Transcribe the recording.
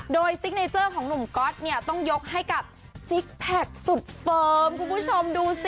โดยซิกเนเจอร์ของหนุ่มก๊อตเนี่ยต้องยกให้กับซิกแพคสุดเฟิร์มคุณผู้ชมดูสิ